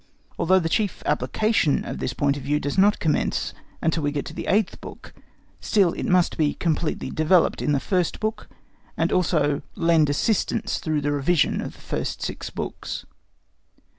Although the chief application of this point of view does not commence until we get to the eighth book, still it must be completely developed in the first book, and also lend assistance throughout the revision of the first six books.